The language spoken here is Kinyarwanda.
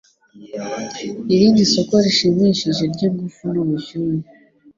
Irindi soko rishimishije ryingufu nubushyuhe